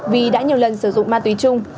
vì đã nhiều lần sử dụng ma túy chung